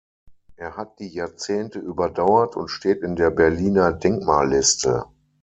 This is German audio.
Er hat die Jahrzehnte überdauert und steht in der Berliner Denkmalliste.